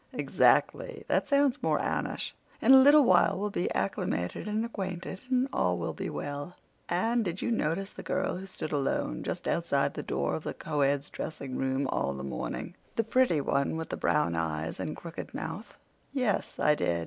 "Exactly. That sounds more Anneish. In a little while we'll be acclimated and acquainted, and all will be well. Anne, did you notice the girl who stood alone just outside the door of the coeds' dressing room all the morning—the pretty one with the brown eyes and crooked mouth?" "Yes, I did.